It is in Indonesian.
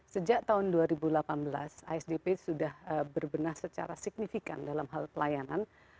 sejak tahun dua ribu delapan belas asdp sudah berbenah secara signifikan dalam hal pelayanan